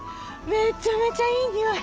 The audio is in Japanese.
めちゃめちゃいい匂い！